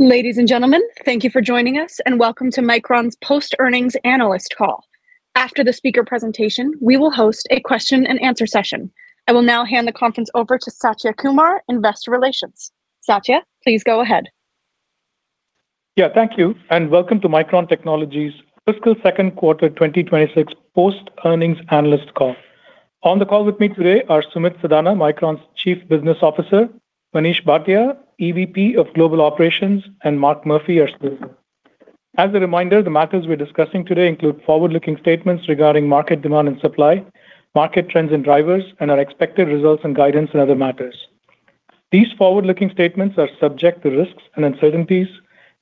Ladies and gentlemen, thank you for joining us, and welcome to Micron's post-earnings analyst call. After the speaker presentation, we will host a question and answer session. I will now hand the conference over to Satya Kumar, Investor Relations. Satya, please go ahead. Yeah, thank you, and welcome to Micron Technology's fiscal second quarter 2026 post earnings analyst call. On the call with me today are Sumit Sadana, Micron's Chief Business Officer, Manish Bhatia, EVP of Global Operations, and Mark Murphy, our CFO. As a reminder, the matters we're discussing today include forward-looking statements regarding market demand and supply, market trends and drivers, and our expected results and guidance and other matters. These forward-looking statements are subject to risks and uncertainties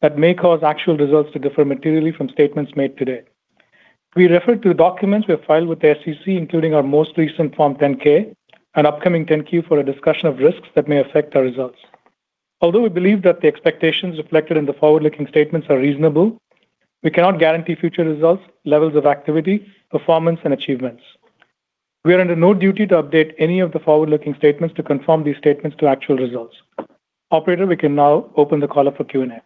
that may cause actual results to differ materially from statements made today. We refer to documents we have filed with the SEC, including our most recent Form 10-K and upcoming 10-Q for a discussion of risks that may affect our results. Although we believe that the expectations reflected in the forward-looking statements are reasonable, we cannot guarantee future results, levels of activity, performance, and achievements. We are under no duty to update any of the forward-looking statements to conform these statements to actual results. Operator, we can now open the call up for Q&A.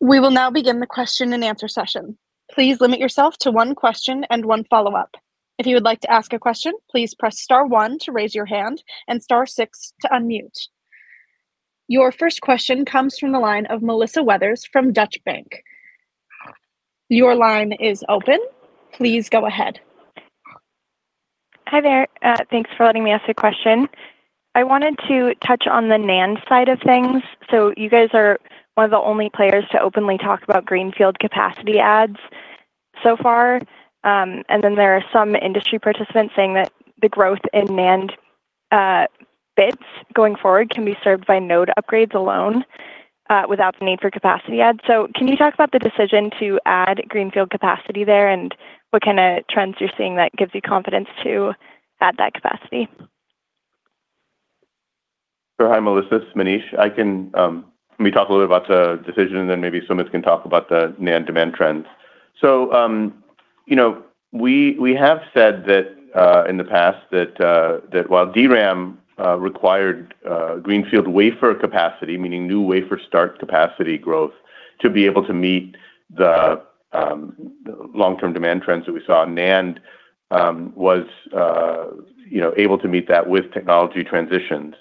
We will now begin the question and answer session. Please limit yourself to one question and one follow-up. If you would like to ask a question, please press star one to raise your hand and star six to unmute. Your first question comes from the line of Melissa Weathers from Deutsche Bank. Your line is open. Please go ahead. Hi there. Thanks for letting me ask a question. I wanted to touch on the NAND side of things. You guys are one of the only players to openly talk about greenfield capacity adds so far. There are some industry participants saying that the growth in NAND bits going forward can be served by node upgrades alone without the need for capacity adds. Can you talk about the decision to add greenfield capacity there and what kinda trends you're seeing that gives you confidence to add that capacity? Sure. Hi, Melissa. It's Manish. Let me talk a little about the decision, and then maybe Sumit can talk about the NAND demand trends. You know, we have said that in the past that while DRAM required greenfield wafer capacity, meaning new wafer start capacity growth, to be able to meet the long-term demand trends that we saw, NAND was, you know, able to meet that with technology transitions.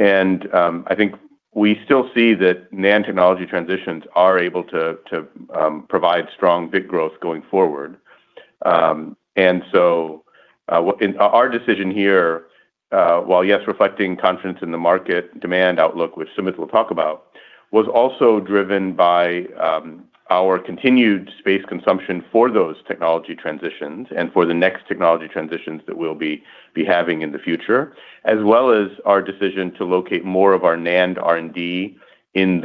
I think we still see that NAND technology transitions are able to provide strong bit growth going forward. In our decision here, while yes, reflecting confidence in the market demand outlook, which Sumit will talk about, was also driven by our continued space consumption for those technology transitions and for the next technology transitions that we'll be having in the future, as well as our decision to locate more of our NAND R&D in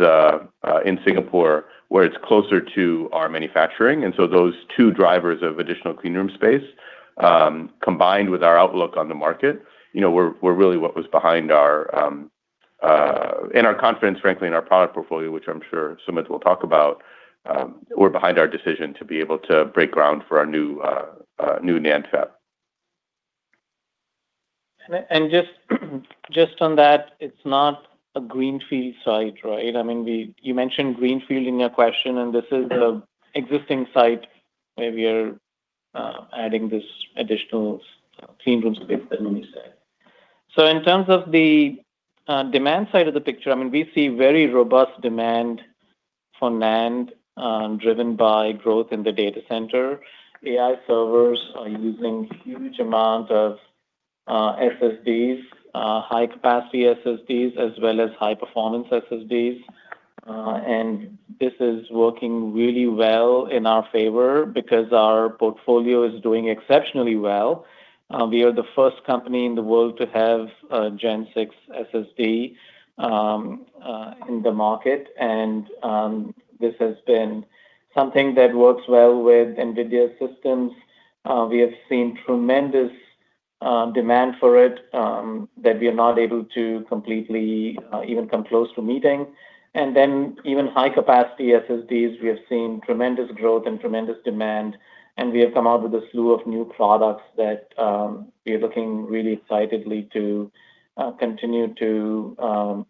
Singapore, where it's closer to our manufacturing. Those two drivers of additional clean room space, combined with our outlook on the market, you know, were really what was behind our and our confidence, frankly, in our product portfolio, which I'm sure Sumit will talk about, were behind our decision to be able to break ground for our new NAND fab. Just on that, it's not a greenfield site, right? I mean, you mentioned greenfield in your question, and this is the existing site where we are adding this additional clean room space that Manish said. In terms of the demand side of the picture, I mean, we see very robust demand for NAND, driven by growth in the data center. AI servers are using huge amount of SSDs, high capacity SSDs, as well as high-performance SSDs. This is working really well in our favor because our portfolio is doing exceptionally well. We are the first company in the world to have a PCIe Gen6 SSD in the market. This has been something that works well with NVIDIA systems. We have seen tremendous demand for it that we are not able to completely even come close to meeting. Even high capacity SSDs, we have seen tremendous growth and tremendous demand, and we have come out with a slew of new products that we are looking really excitedly to continue to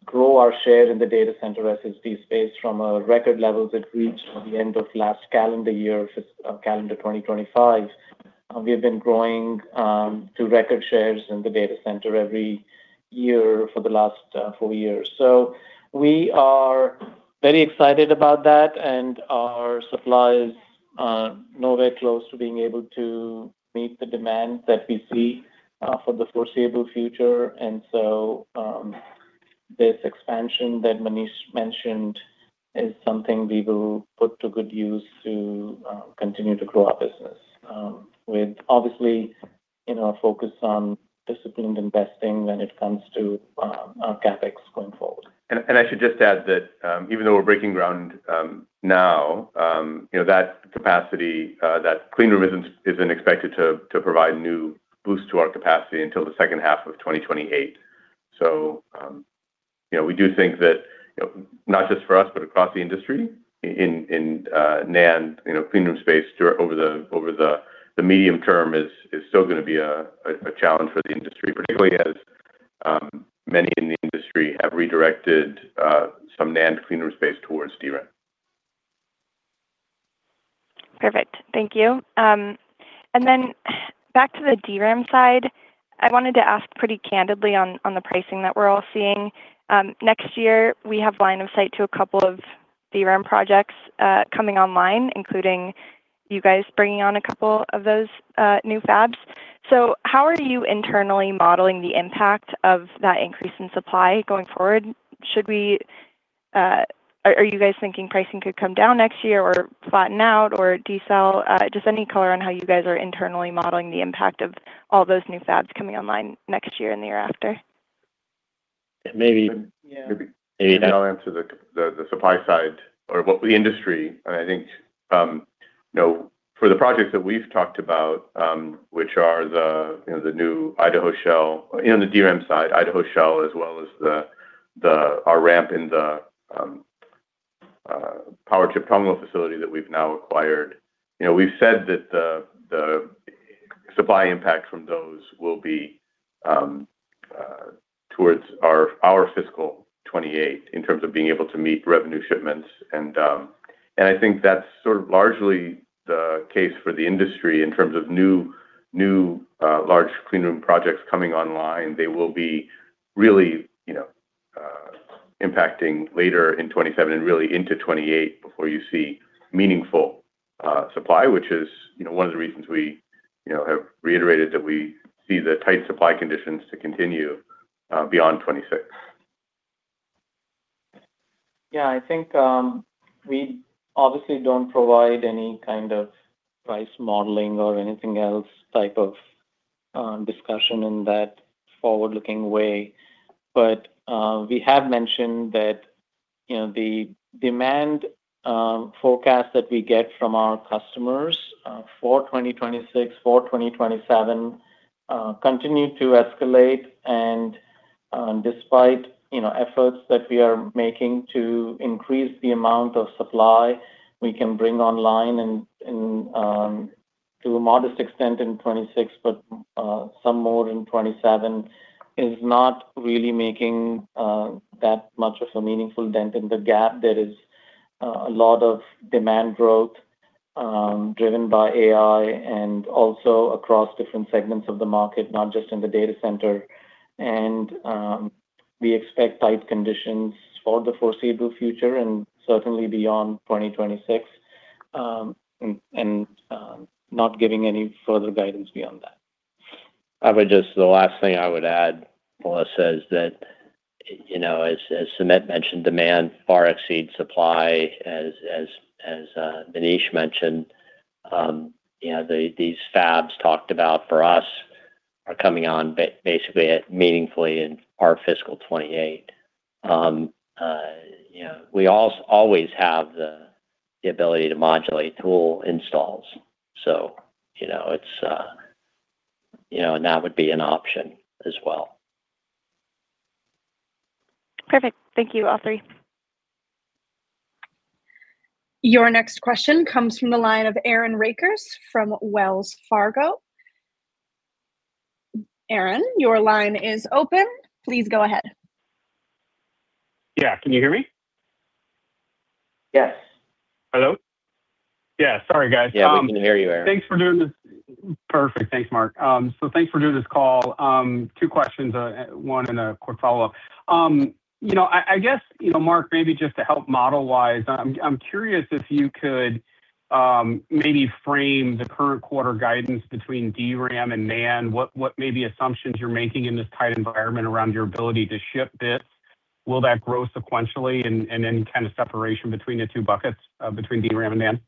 grow our share in the data center SSD space from record levels it reached at the end of last calendar year, calendar 2025. We have been growing to record shares in the data center every year for the last four years. We are very excited about that, and our supply is nowhere close to being able to meet the demand that we see for the foreseeable future. This expansion that Manish mentioned is something we will put to good use to continue to grow our business with obviously, you know, a focus on disciplined investing when it comes to our CapEx going forward. I should just add that, even though we're breaking ground now, you know, that capacity, that clean room isn't expected to provide new boost to our capacity until the second half of 2028. You know, we do think that. Not just for us, but across the industry in NAND, you know, clean room space over the medium term is still gonna be a challenge for the industry, particularly as many in the industry have redirected some NAND clean room space towards DRAM. Perfect. Thank you. Then back to the DRAM side, I wanted to ask pretty candidly on the pricing that we're all seeing. Next year we have line of sight to a couple of DRAM projects coming online, including you guys bringing on a couple of those new fabs. How are you internally modeling the impact of that increase in supply going forward? Are you guys thinking pricing could come down next year or flatten out or decel? Just any color on how you guys are internally modeling the impact of all those new fabs coming online next year and the year after. Maybe. Yeah. Maybe I'll answer the supply side or what the industry. I think, you know, for the projects that we've talked about, which are the new ID1 shell, you know, the DRAM side, ID1 shell, as well as our ramp in the Powerchip Tongluo facility that we've now acquired. You know, we've said that the supply impact from those will be towards our fiscal year 2028 in terms of being able to meet revenue shipments. I think that's sort of largely the case for the industry in terms of new large clean room projects coming online. They will be really, you know, impacting later in 2027 and really into 2028 before you see meaningful supply, which is, you know, one of the reasons we, you know, have reiterated that we see the tight supply conditions to continue beyond 2026. Yeah. I think we obviously don't provide any kind of price modeling or anything else type of discussion in that forward-looking way. We have mentioned that, you know, the demand forecast that we get from our customers for 2026, for 2027, continue to escalate. Despite, you know, efforts that we are making to increase the amount of supply we can bring online and in to a modest extent in 2026, but some more in 2027, is not really making that much of a meaningful dent in the gap. There is a lot of demand growth driven by AI and also across different segments of the market, not just in the data center. We expect tight conditions for the foreseeable future and certainly beyond 2026, and not giving any further guidance beyond that. The last thing I would add, Melissa, is that, you know, as Sumit mentioned, demand far exceeds supply, as Manish mentioned. You know, these fabs talked about for us are coming on basically meaningfully in our fiscal year 2028. You know, we always have the ability to modulate tool installs, so, you know, and that would be an option as well. Perfect. Thank you, all three. Your next question comes from the line of Aaron Rakers from Wells Fargo. Aaron, your line is open. Please go ahead. Yeah. Can you hear me? Yes. Hello? Yeah, sorry, guys. Yeah, we can hear you, Aaron. Thanks for doing this. Perfect. Thanks, Mark. Thanks for doing this call. Two questions, one and a quick follow-up. You know, I guess, you know, Mark, maybe just to help model-wise, I'm curious if you could maybe frame the current quarter guidance between DRAM and NAND. What maybe assumptions you're making in this tight environment around your ability to ship bits. Will that grow sequentially and any kind of separation between the two buckets between DRAM and NAND?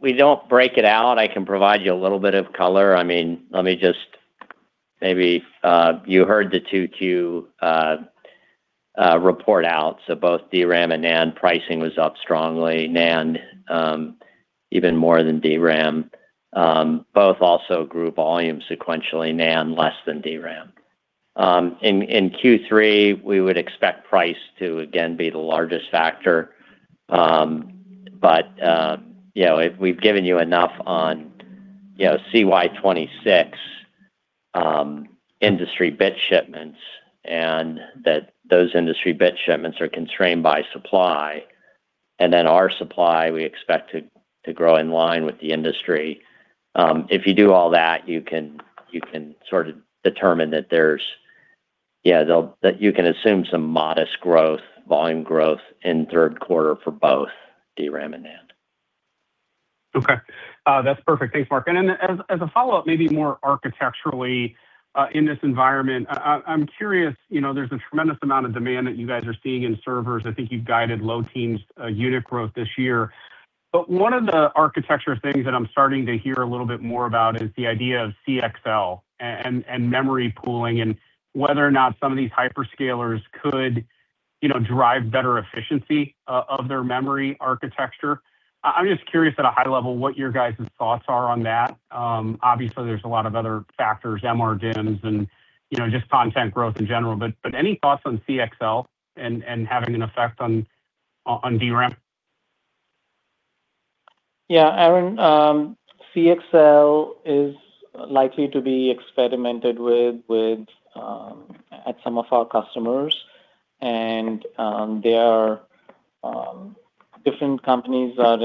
We don't break it out. I can provide you a little bit of color. I mean, let me just maybe you heard the 2Q report out. Both DRAM and NAND pricing was up strongly. NAND even more than DRAM. Both also grew volume sequentially, NAND less than DRAM. In Q3, we would expect price to again be the largest factor. You know, if we've given you enough on you know, CY 2026, industry bit shipments and that those industry bit shipments are constrained by supply. Our supply we expect to grow in line with the industry. If you do all that, you can sort of determine that you can assume some modest growth, volume growth in third quarter for both DRAM and NAND. Okay. That's perfect. Thanks, Mark. Then as a follow-up, maybe more architecturally, in this environment, I'm curious, you know, there's a tremendous amount of demand that you guys are seeing in servers. I think you've guided low teens unit growth this year. But one of the architecture things that I'm starting to hear a little bit more about is the idea of CXL and memory pooling and whether or not some of these hyperscalers could, you know, drive better efficiency of their memory architecture. I'm just curious at a high level what your guys' thoughts are on that. Obviously, there's a lot of other factors, margins and, you know, just content growth in general, but any thoughts on CXL and having an effect on DRAM? Yeah, Aaron, CXL is likely to be experimented with at some of our customers. There are different companies that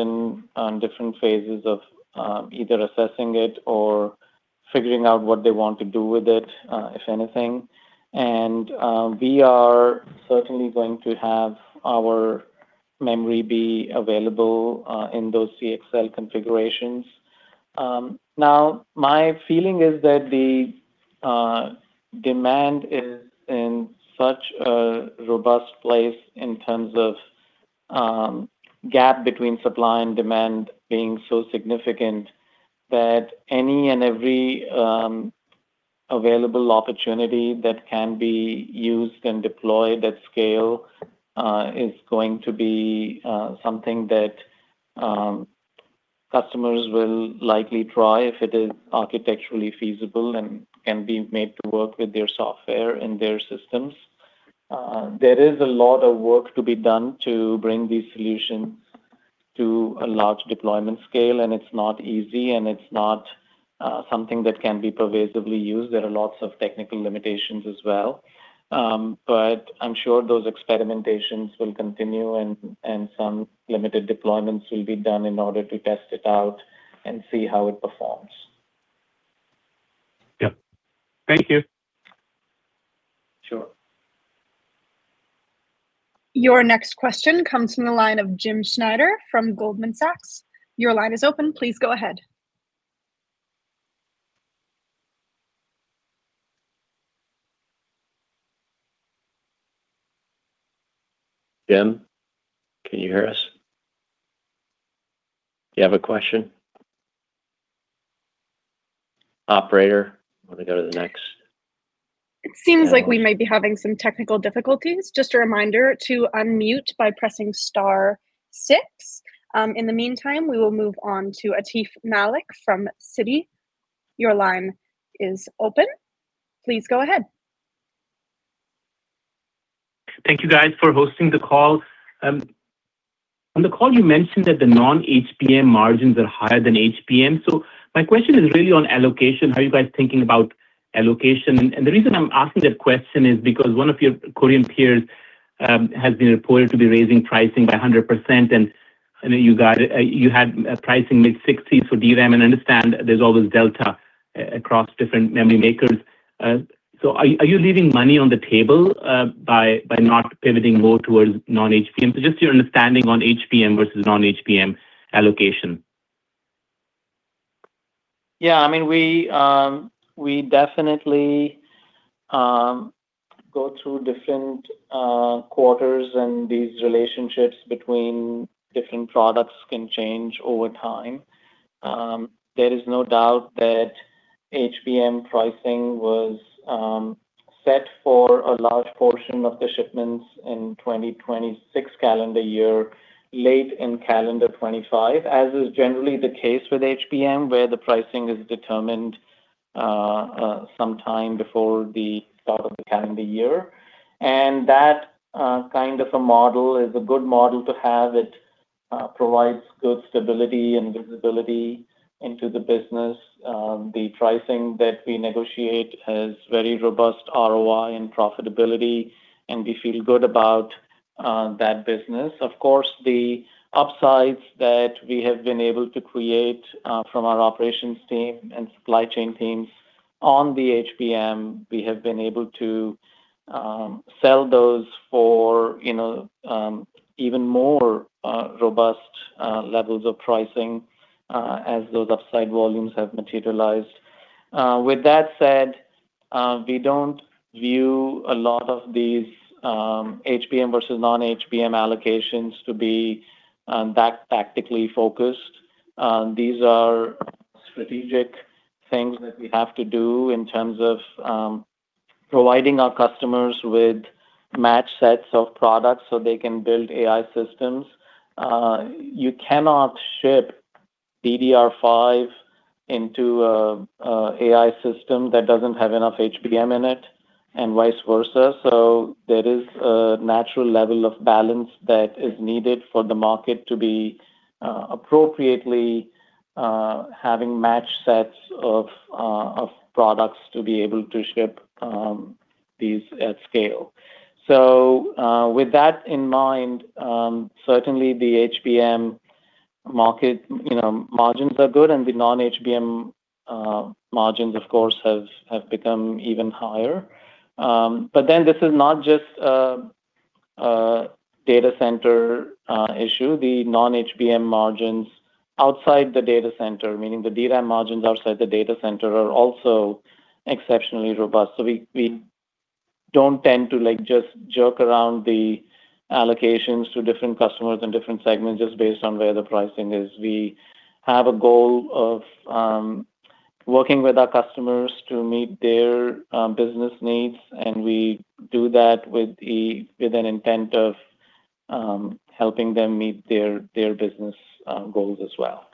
are in different phases of either assessing it or figuring out what they want to do with it, if anything. We are certainly going to have our memory be available in those CXL configurations. Now, my feeling is that the demand is in such a robust place in terms of gap between supply and demand being so significant that any and every available opportunity that can be used and deployed at scale is going to be something that customers will likely try if it is architecturally feasible and can be made to work with their software and their systems. There is a lot of work to be done to bring these solutions to a large deployment scale, and it's not easy, and it's not something that can be pervasively used. There are lots of technical limitations as well. I'm sure those experimentations will continue and some limited deployments will be done in order to test it out and see how it performs. Yep. Thank you. Sure. Your next question comes from the line of Jim Schneider from Goldman Sachs. Your line is open. Please go ahead. Jim, can you hear us? Do you have a question? Operator, want to go to the next? It seems like we may be having some technical difficulties. Just a reminder to unmute by pressing star six. In the meantime, we will move on to Atif Malik from Citi. Your line is open. Please go ahead. Thank you guys for hosting the call. On the call, you mentioned that the non-HBM margins are higher than HBM. My question is really on allocation. How are you guys thinking about allocation? The reason I'm asking that question is because one of your Korean peers has been reported to be raising pricing by 100%, and I know you had pricing mid-60s for DRAM, and I understand there's always delta across different memory makers. Are you leaving money on the table by not pivoting more towards non-HBM? Just your understanding on HBM versus non-HBM allocation. Yeah, I mean, we definitely go through different quarters and these relationships between different products can change over time. There is no doubt that HBM pricing was set for a large portion of the shipments in 2026 calendar year, late in calendar 2025, as is generally the case with HBM, where the pricing is determined sometime before the start of the calendar year. That kind of a model is a good model to have. It provides good stability and visibility into the business. The pricing that we negotiate has very robust ROI and profitability, and we feel good about that business. Of course, the upsides that we have been able to create from our operations team and supply chain teams on the HBM, we have been able to sell those for, you know, even more robust levels of pricing as those upside volumes have materialized. With that said, we don't view a lot of these HBM versus non-HBM allocations to be that tactically focused. These are strategic things that we have to do in terms of providing our customers with match sets of products so they can build AI systems. You cannot ship DDR5 into a AI system that doesn't have enough HBM in it and vice versa. There is a natural level of balance that is needed for the market to be appropriately having match sets of of products to be able to ship these at scale. With that in mind, certainly the HBM market, you know, margins are good and the non-HBM margins of course have become even higher. Then this is not just a data center issue. The non-HBM margins outside the data center, meaning the DRAM margins outside the data center, are also exceptionally robust. We don't tend to, like, just jerk around the allocations to different customers and different segments just based on where the pricing is. We have a goal of working with our customers to meet their business needs, and we do that with an intent of helping them meet their business goals as well.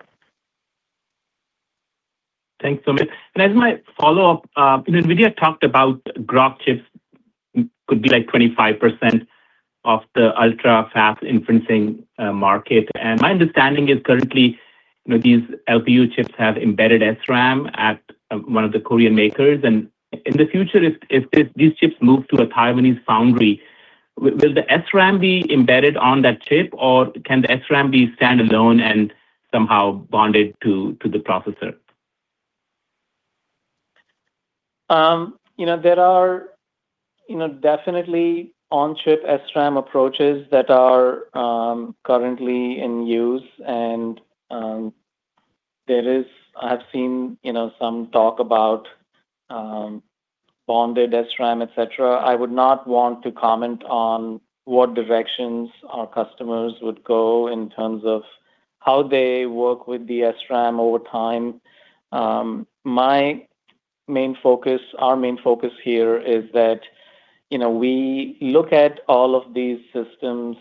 Thanks, Sumit. As my follow-up, NVIDIA talked about Groq chips could be like 25% of the ultra-fast inferencing market. My understanding is currently, you know, these LPU chips have embedded SRAM at one of the Korean makers. In the future, if these chips move to a Taiwanese foundry, will the SRAM be embedded on that chip, or can the SRAM be standalone and somehow bonded to the processor? You know, there are, you know, definitely on-chip SRAM approaches that are currently in use. I have seen, you know, some talk about bonded SRAM, et cetera. I would not want to comment on what directions our customers would go in terms of how they work with the SRAM over time. My main focus, our main focus here is that, you know, we look at all of these systems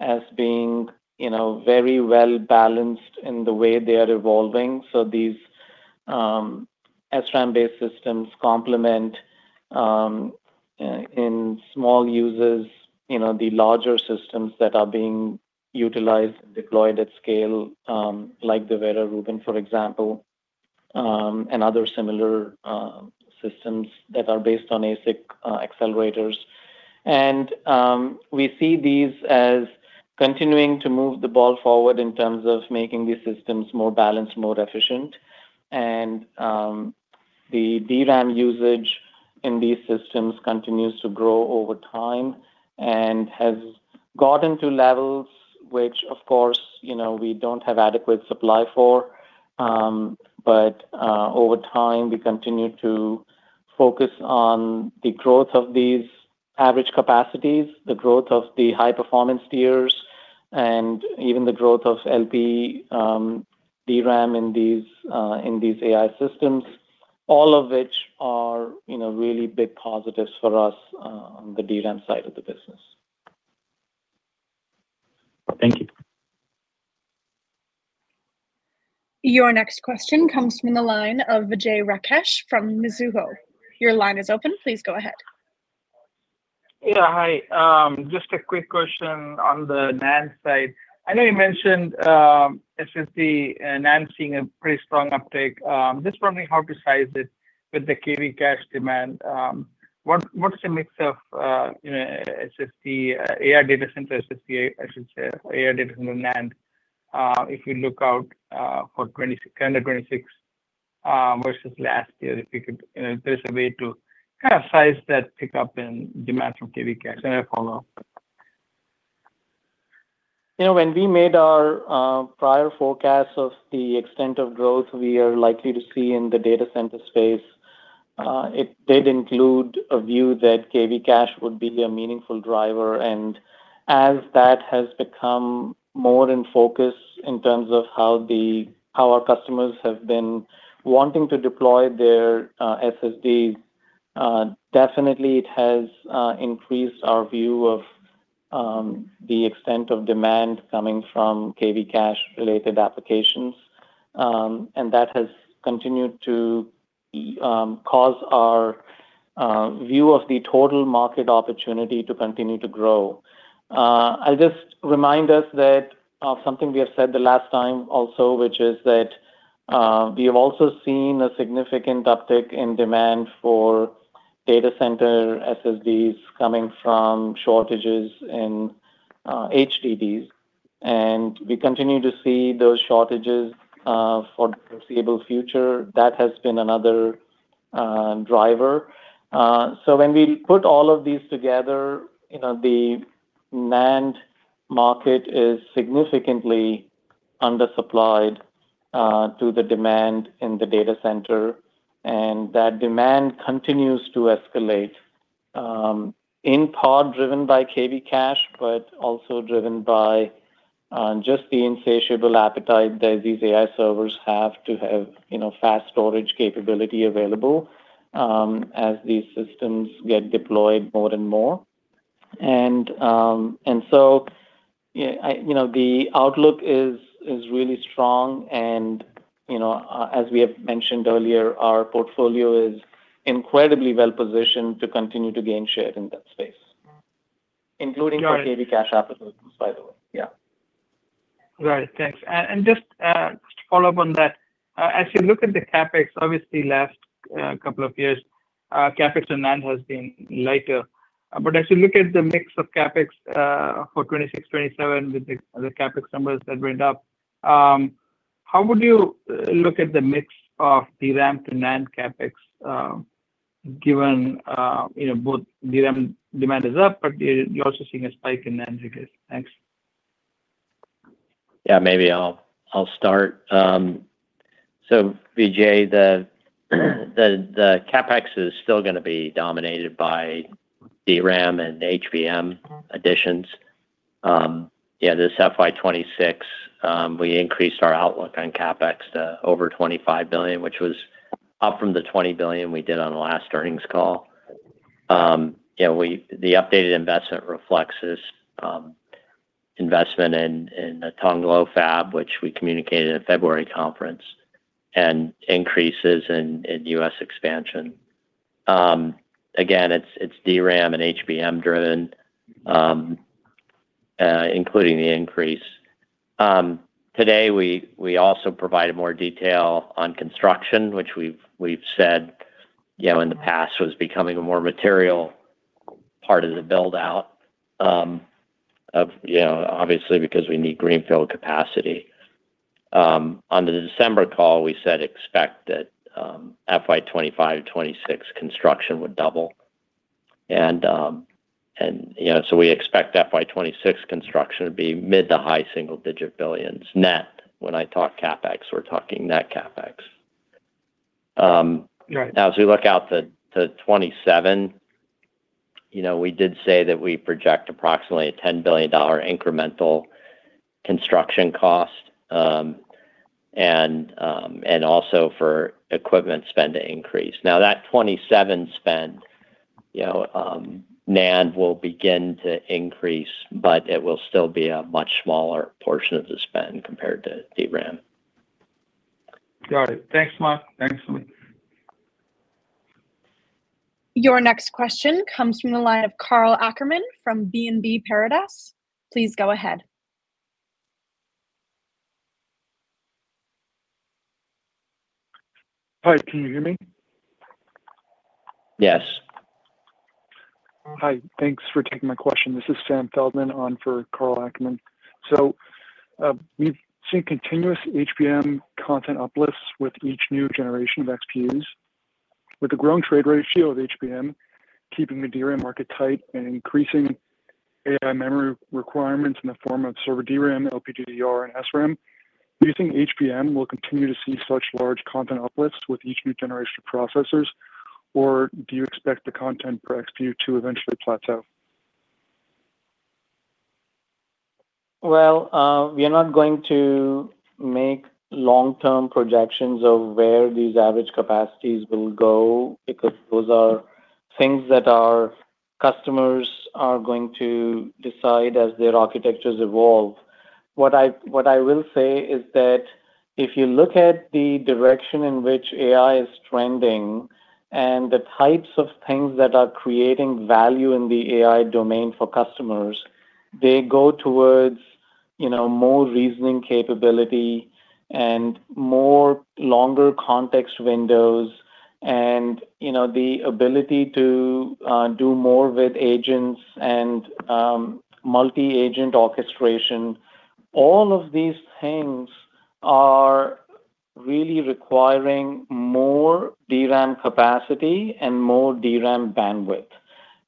as being, you know, very well-balanced in the way they are evolving. These SRAM-based systems complement in small users, you know, the larger systems that are being utilized, deployed at scale, like the Vera Rubin, for example, and other similar systems that are based on ASIC accelerators. We see these as continuing to move the ball forward in terms of making these systems more balanced, more efficient. The DRAM usage in these systems continues to grow over time and has gotten to levels which of course, you know, we don't have adequate supply for. Over time, we continue to focus on the growth of these average capacities, the growth of the high-performance tiers, and even the growth of LP DRAM in these AI systems, all of which are, you know, really big positives for us on the DRAM side of the business. Thank you. Your next question comes from the line of Vijay Rakesh from Mizuho. Your line is open. Please go ahead. Yeah, hi. Just a quick question on the NAND side. I know you mentioned SSD and NAND seeing a pretty strong uptick. Just wondering how to size it with the KV cache demand. What is the mix of, you know, SSD, AI data center SSD, I should say, AI data center NAND, if you look out for 2026, calendar 2026, versus last year, if you could, if there's a way to kind of size that pickup in demand from KV cache. A follow-up. You know, when we made our prior forecast of the extent of growth we are likely to see in the data center space, it did include a view that KV cache would be a meaningful driver. As that has become more in focus in terms of how our customers have been wanting to deploy their SSDs, definitely it has increased our view of the extent of demand coming from KV cache-related applications. That has continued to cause our view of the total market opportunity to continue to grow. I'll just remind us that something we have said the last time also, which is that we have also seen a significant uptick in demand for data center SSDs coming from shortages in HDDs, and we continue to see those shortages for the foreseeable future. That has been another driver. When we put all of these together, you know, the NAND market is significantly undersupplied to the demand in the data center, and that demand continues to escalate, in part driven by KV cache, but also driven by just the insatiable appetite that these AI servers have to have, you know, fast storage capability available, as these systems get deployed more and more. You know, the outlook is really strong and, you know, as we have mentioned earlier, our portfolio is incredibly well-positioned to continue to gain share in that space, including for KV cache applications, by the way. Yeah. Right. Thanks. Just to follow up on that, as you look at the CapEx, obviously last couple of years, CapEx and NAND has been lighter. As you look at the mix of CapEx for 2026, 2027 with the CapEx numbers that went up, how would you look at the mix of DRAM to NAND CapEx, given you know, both DRAM demand is up, but you're also seeing a spike in NAND because. Thanks. Maybe I'll start. Vijay, the CapEx is still gonna be dominated by DRAM and HBM additions. This FY 2026, we increased our outlook on CapEx to over $25 billion, which was up from the $20 billion we did on the last earnings call. The updated investment reflects this investment in the Tongluo fab, which we communicated at February conference and increases in U.S. expansion. Again, it's DRAM and HBM driven, including the increase. Today, we also provided more detail on construction, which we've said, you know, in the past was becoming a more material part of the build-out of, you know, obviously because we need greenfield capacity. On the December call, we said expect that FY 2025 or 2026 construction would double, you know, we expect FY 2026 construction to be mid to high-single-digit billions net. When I talk CapEx, we're talking net CapEx. Right. Now, as we look out to 2027, you know, we did say that we project approximately a $10 billion incremental construction cost, and also for equipment spend to increase. Now, that 2027 spend, you know, NAND will begin to increase, but it will still be a much smaller portion of the spend compared to DRAM. Got it. Thanks, Mark. Thanks so much. Your next question comes from the line of Karl Ackerman from BNP Paribas. Please go ahead. Hi, can you hear me? Yes. Hi. Thanks for taking my question. This is Sam Feldman on for Karl Ackerman. We've seen continuous HBM content uplifts with each new generation of GPUs. With the growing trade ratio of HBM keeping the DRAM market tight and increasing AI memory requirements in the form of server DRAM, LPDDR, and SRAM, do you think HBM will continue to see such large content uplifts with each new generation of processors, or do you expect the content per accelerators to eventually plateau? We are not going to make long-term projections of where these average capacities will go because those are things that our customers are going to decide as their architectures evolve. What I will say is that if you look at the direction in which AI is trending and the types of things that are creating value in the AI domain for customers, they go towards, you know, more reasoning capability and more longer context windows and, you know, the ability to do more with agents and multi-agent orchestration. All of these things are really requiring more DRAM capacity and more DRAM bandwidth.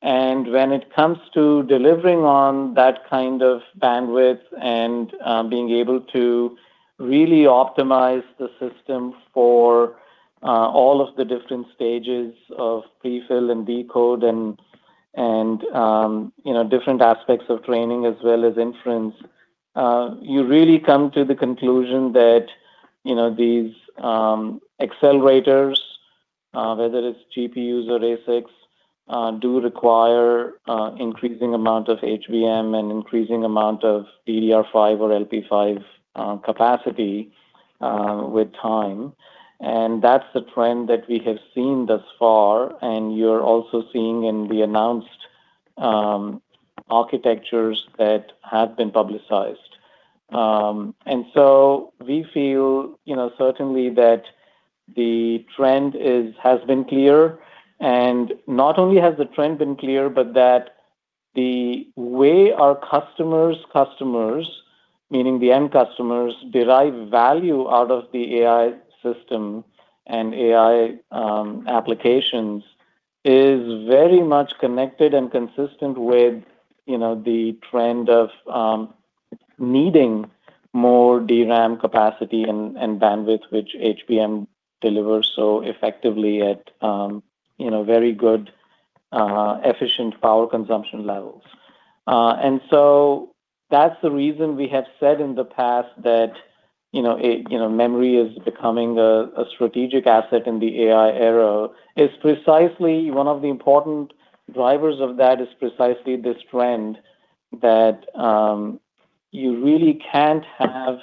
When it comes to delivering on that kind of bandwidth and being able to really optimize the system for all of the different stages of prefill and decode and you know different aspects of training as well as inference, you really come to the conclusion that you know these accelerators whether it's GPUs or ASICs do require increasing amount of HBM and increasing amount of DDR5 or LP5 capacity with time. That's the trend that we have seen thus far, and you're also seeing in the announced architectures that have been publicized. We feel you know certainly that the trend has been clear. Not only has the trend been clear, but that the way our customers, meaning the end customers, derive value out of the AI system and AI applications is very much connected and consistent with, you know, the trend of needing more DRAM capacity and bandwidth, which HBM delivers so effectively at, you know, very good efficient power consumption levels. That's the reason we have said in the past that, you know, it, you know, memory is becoming a strategic asset in the AI era, is precisely one of the important drivers of that is precisely this trend that you really can't have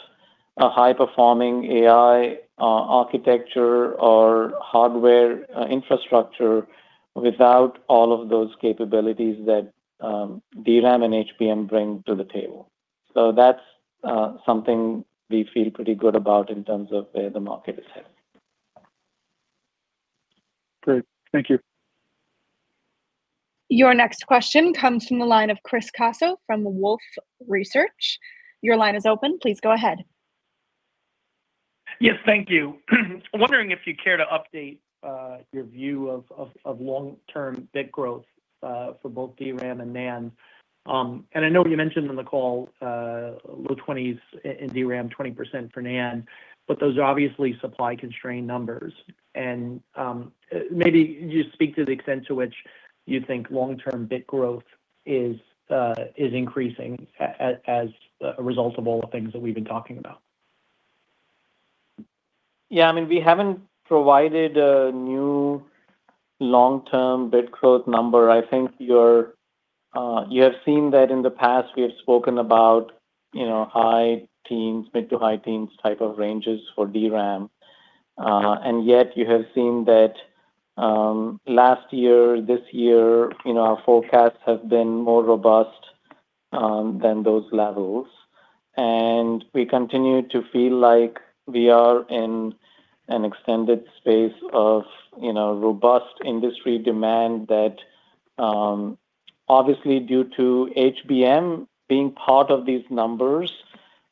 a high-performing AI architecture or hardware infrastructure without all of those capabilities that DRAM and HBM bring to the table. That's something we feel pretty good about in terms of where the market is headed. Great. Thank you. Your next question comes from the line of Chris Caso from Wolfe Research. Your line is open. Please go ahead. Yes. Thank you. Wondering if you care to update your view of long-term bit growth for both DRAM and NAND. I know you mentioned on the call low 20s% in DRAM, 20% for NAND, but those are obviously supply-constrained numbers. Maybe you speak to the extent to which you think long-term bit growth is increasing as a result of all the things that we've been talking about. Yeah, I mean, we haven't provided a new long-term bit growth number. I think you have seen that in the past we have spoken about, you know, high teens, mid to high teens type of ranges for DRAM. Yet you have seen that, last year, this year, you know, our forecasts have been more robust than those levels. We continue to feel like we are in an extended space of, you know, robust industry demand that, obviously, due to HBM being part of these numbers,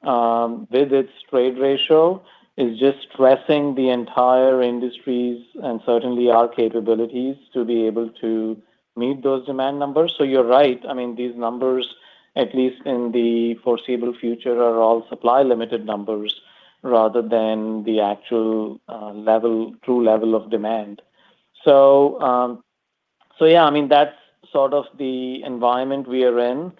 with its trade ratio, is just stressing the entire industry and certainly our capabilities to be able to meet those demand numbers. You're right. I mean, these numbers, at least in the foreseeable future, are all supply limited numbers rather than the actual, level, true level of demand. Yeah, I mean, that's sort of the environment we are in.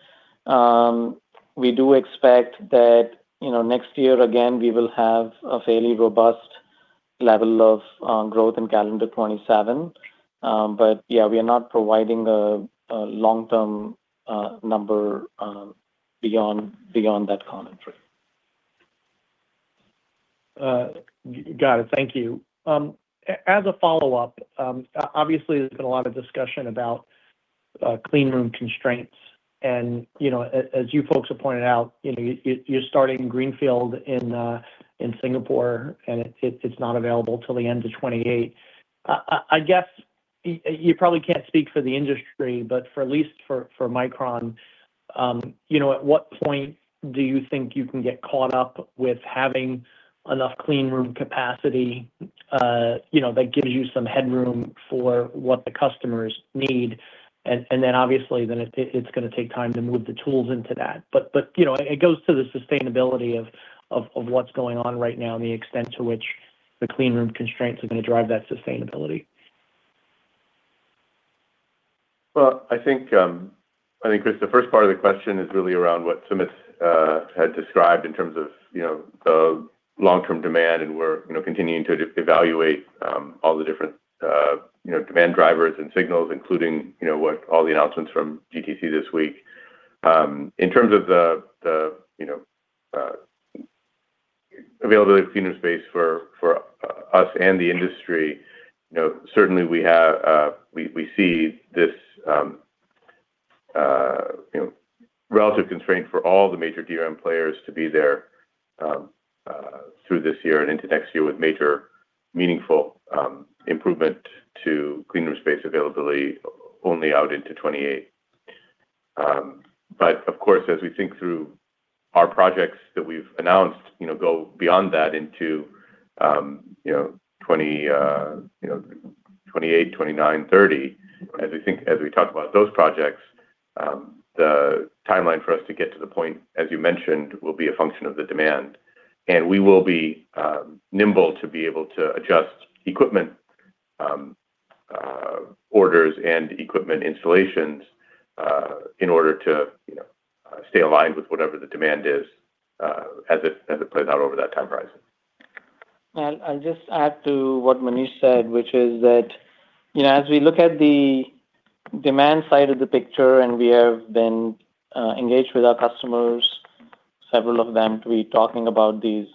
We do expect that, you know, next year, again, we will have a fairly robust level of growth in calendar 2027. Yeah, we are not providing a long-term number beyond that commentary. Got it. Thank you. As a follow-up, obviously, there's been a lot of discussion about cleanroom constraints. You know, as you folks have pointed out, you know, you're starting greenfield in Singapore, and it's not available till the end of 2028. I guess you probably can't speak for the industry, but for Micron, you know, at what point do you think you can get caught up with having enough cleanroom capacity, you know, that gives you some headroom for what the customers need? Then obviously it's gonna take time to move the tools into that. You know, it goes to the sustainability of what's going on right now and the extent to which the cleanroom constraints are gonna drive that sustainability. Well, I think, Chris, the first part of the question is really around what Sumit had described in terms of, you know, the long-term demand, and we're, you know, continuing to evaluate all the different, you know, demand drivers and signals, including, you know, what all the announcements from GTC this week. In terms of the, you know, availability of cleanroom space for us and the industry, you know, certainly we see this, you know, relative constraint for all the major DRAM players to be there through this year and into next year with major meaningful improvement to cleanroom space availability only out into 2028. Of course, as we think through our projects that we've announced, you know, go beyond that into 2028, 2029, 2030. As we think, as we talk about those projects, the timeline for us to get to the point, as you mentioned, will be a function of the demand. We will be nimble to be able to adjust equipment orders and equipment installations in order to, you know, stay aligned with whatever the demand is, as it plays out over that time horizon. I'll just add to what Manish said, which is that, you know, as we look at the demand side of the picture, and we have been engaged with our customers, several of them to be talking about these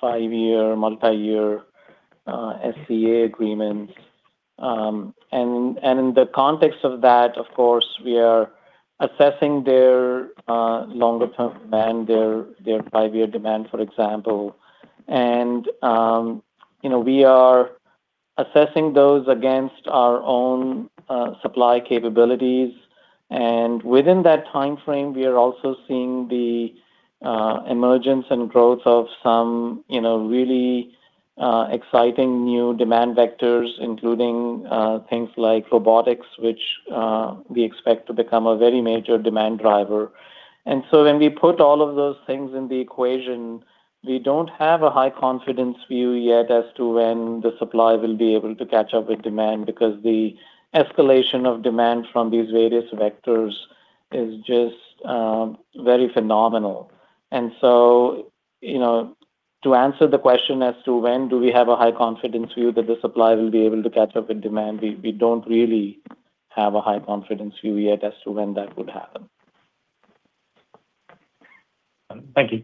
five-year, multi-year SCA agreements. In the context of that, of course, we are assessing their longer term demand, their five-year demand, for example. You know, we are assessing those against our own supply capabilities. Within that timeframe, we are also seeing the emergence and growth of some, you know, really exciting new demand vectors, including things like robotics, which we expect to become a very major demand driver. When we put all of those things in the equation, we don't have a high confidence view yet as to when the supply will be able to catch up with demand, because the escalation of demand from these various vectors is just very phenomenal. You know, to answer the question as to when do we have a high confidence view that the supply will be able to catch up with demand, we don't really have a high confidence view yet as to when that would happen. Thank you.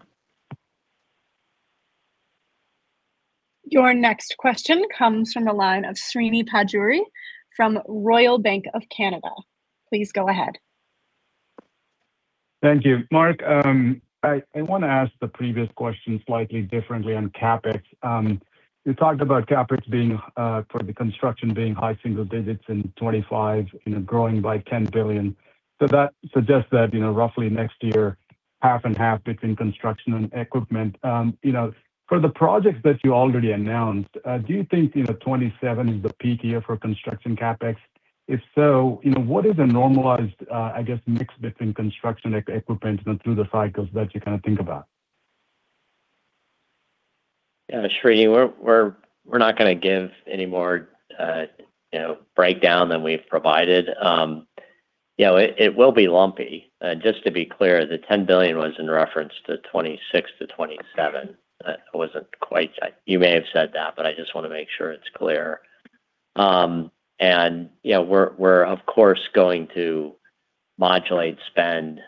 Your next question comes from the line of Srini Pajjuri from Royal Bank of Canada. Please go ahead. Thank you. Mark, I wanna ask the previous question slightly differently on CapEx. You talked about CapEx being for the construction being high single digits in 2025, you know, growing by $10 billion. That suggests that, you know, roughly next year, half and half between construction and equipment. You know, for the projects that you already announced, do you think, you know, 2027 is the peak year for construction CapEx? If so, you know, what is the normalized, I guess, mix between construction equipment and through the cycles that you kinda think about? Yeah, Srini, we're not gonna give any more, you know, breakdown than we've provided. Yeah, it will be lumpy. Just to be clear, the $10 billion was in reference to 2026-2027. That wasn't quite. You may have said that, but I just wanna make sure it's clear. You know, we're of course going to modulate spend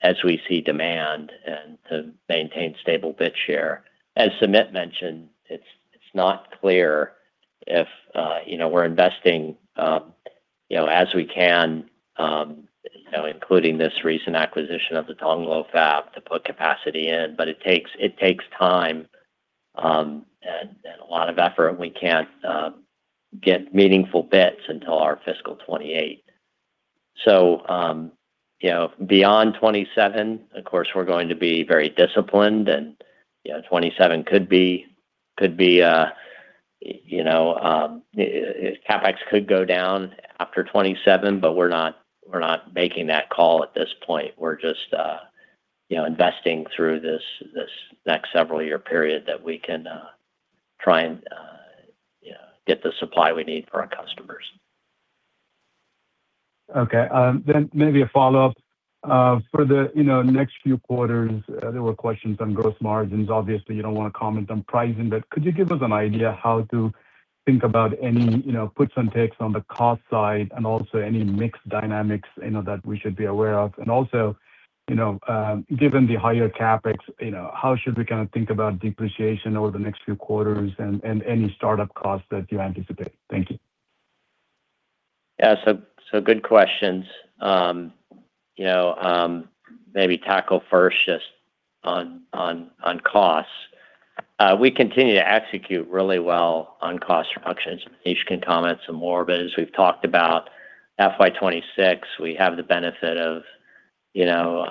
as we see demand and to maintain stable bit share. As Sumit mentioned, it's not clear if, you know, we're investing, you know, as we can, you know, including this recent acquisition of the Tongluo fab to put capacity in. It takes time and a lot of effort, and we can't get meaningful bits until our fiscal year 2028. Beyond 2027, of course, we're going to be very disciplined, and, you know, 2027 could be, CapEx could go down after 2027, but we're not making that call at this point. We're just, you know, investing through this next several year period that we can try and, you know, get the supply we need for our customers. Okay. Maybe a follow-up. For the, you know, next few quarters, there were questions on gross margins. Obviously, you don't wanna comment on pricing, but could you give us an idea how to think about any, you know, puts and takes on the cost side and also any mix dynamics, you know, that we should be aware of? Also, you know, given the higher CapEx, you know, how should we kind of think about depreciation over the next few quarters and any startup costs that you anticipate? Thank you. Yeah. Good questions. Maybe tackle first just on costs. We continue to execute really well on cost reductions. Nish can comment some more, but as we've talked about FY 2026, we have the benefit of you know,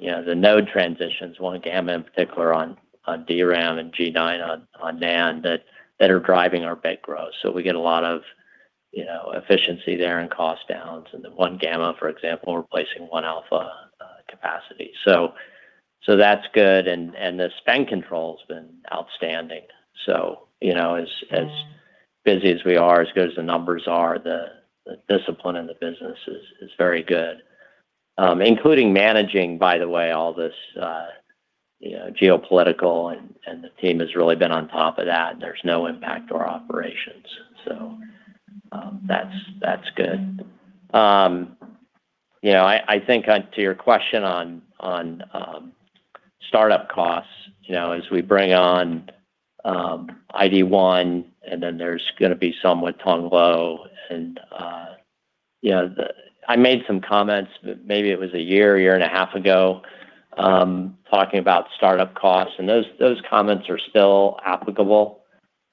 you know, the node transitions, 1-gamma in particular on DRAM and G9 on NAND that are driving our bit growth. We get a lot of you know, efficiency there and cost downs, and the 1-gamma, for example, replacing 1-alpha capacity. That's good, and the spend control's been outstanding. You know, as busy as we are, as good as the numbers are, the discipline in the business is very good. Including managing, by the way, all this, you know, geopolitical, and the team has really been on top of that, and there's no impact to our operations. That's good. You know, I think to your question on startup costs, you know, as we bring on ID1, and then there's gonna be some with Tongluo. You know, I made some comments, maybe it was a year and a half ago, talking about startup costs, and those comments are still applicable.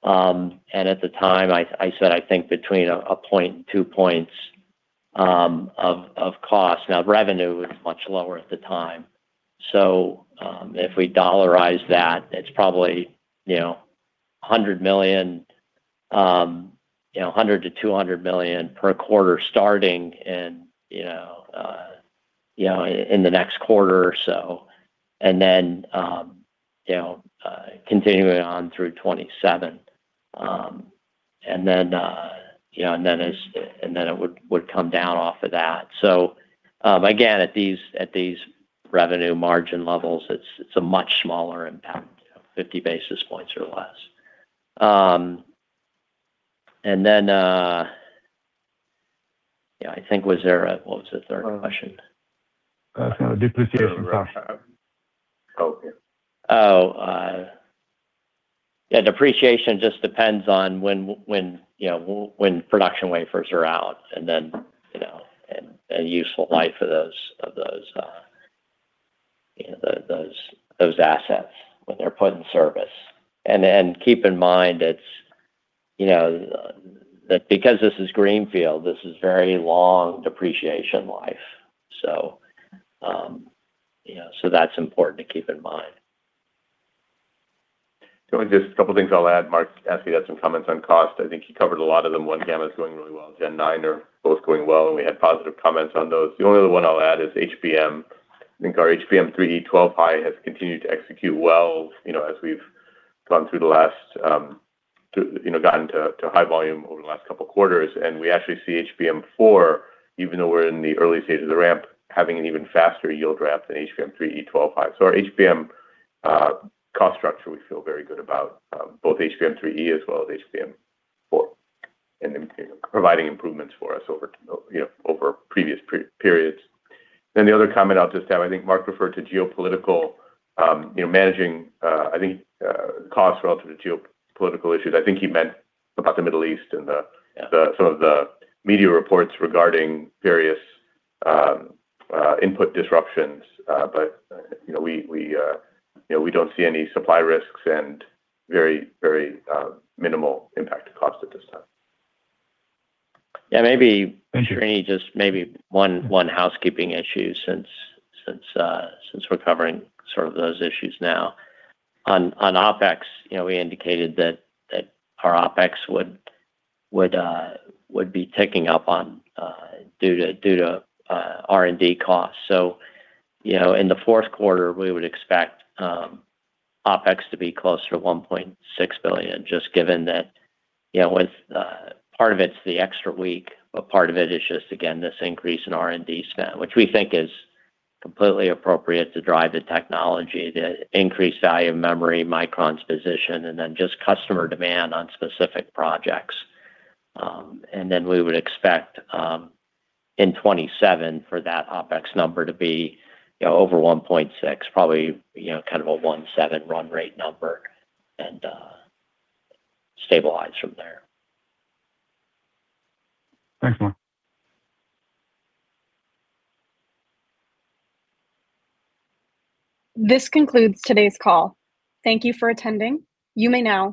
At the time, I said, I think between one point and two points of cost. Now revenue was much lower at the time. If we dollarize that, it's probably $100 million, $100 million-$200 million per quarter starting in the next quarter or so, and then continuing on through 2027. It would come down off of that. Again, at these revenue margin levels, it's a much smaller impact, 50 basis points or less. Yeah, I think. What was the third question? Depreciation question. Yeah, depreciation just depends on when, you know, when production wafers are out, and then, you know, and useful life of those, you know, those assets when they're put in service. Keep in mind it's, you know, that because this is greenfield, this is very long depreciation life. That's important to keep in mind. Just a couple of things I'll add. Mark asked me to add some comments on cost. I think he covered a lot of them. 1-gamma is going really well. G9 are both going well, and we had positive comments on those. The only other one I'll add is HBM. I think our HBM3E 12-high has continued to execute well, you know, as we've gone through, you know, gotten to high volume over the last couple of quarters. We actually see HBM4, even though we're in the early stage of the ramp, having an even faster yield ramp than HBM3E 12-high. Our HBM cost structure, we feel very good about both HBM3E as well as HBM4, and then, you know, providing improvements for us over previous periods. The other comment I'll just add, I think Mark referred to geopolitical, you know, managing, I think, costs relative to geopolitical issues. I think he meant about the Middle East. Yeah. Some of the media reports regarding various input disruptions. You know, we, you know, we don't see any supply risks and very minimal impact to cost at this time. Yeah, maybe, Srini, just maybe one housekeeping issue since we're covering sort of those issues now. On OpEx, you know, we indicated that our OpEx would be ticking up due to R&D costs. In the fourth quarter, we would expect OpEx to be closer to $1.6 billion, just given that, you know, with part of it's the extra week, but part of it is just, again, this increase in R&D spend, which we think is completely appropriate to drive the technology, the increased value of memory, Micron's position, and then just customer demand on specific projects. We would expect in 2027 for that OpEx number to be, you know, over $1.6 billion, probably, you know, kind of a $1.7 billion run rate number and stabilize from there. Thanks, Mark. This concludes today's call. Thank you for attending. You may now disconnect.